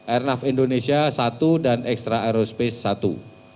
airnav indonesia satu dan extra aerospace satu